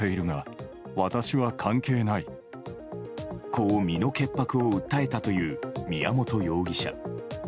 こう身の潔白を訴えたという宮本容疑者。